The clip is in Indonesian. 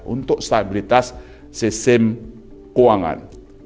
untuk stabilitas sistem keuangan